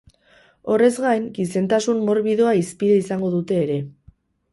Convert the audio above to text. Horrez gain, gizentasun morbidoa hizpide izango dute ere.